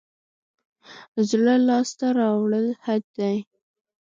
زړه لاس ته راوړل حج دی